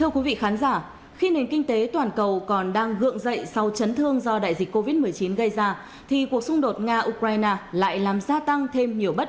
các bạn hãy đăng ký kênh để ủng hộ kênh của chúng mình nhé